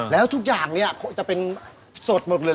แล้วทุกอย่างเนี่ยจะเป็นสดหมดเลย